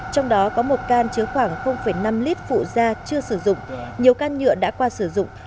trong đó có một can chứa khoảng năm lít phụ da chưa sử dụng nhiều can nhựa đã qua sử dụng